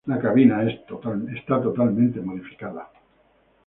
La cabina es totalmente modificada.